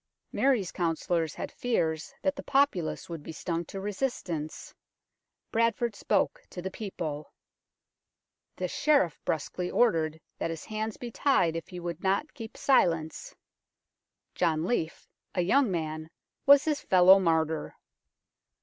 Mary's councillors had fears that the populace would be stung to resistance. Bradford spoke to the people ; the Sheriff brusquely ordered that his hands be tied if he would not keep silence. John Leaf, a young man, was his fellow martyr.